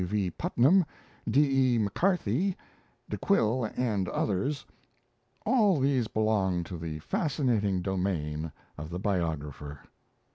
V. Putnam, D. E. M'Carthy, De Quille and others all these belong to the fascinating domain of the biographer.